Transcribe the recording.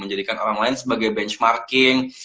menjadikan orang lain sebagai benchmarking